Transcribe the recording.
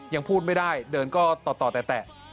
ยังพูดไม่ได้เดินก็ต่อแตะ